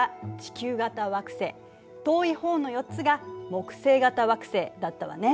遠い方の４つが木星型惑星だったわね。